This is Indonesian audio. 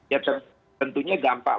ya tentunya gampang